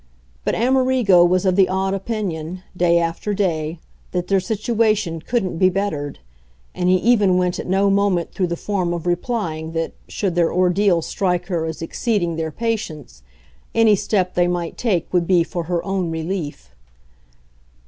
But Amerigo was of the odd opinion, day after day, that their situation couldn't be bettered; and he even went at no moment through the form of replying that, should their ordeal strike her as exceeding their patience, any step they might take would be for her own relief.